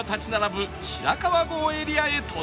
白川郷エリアへ突入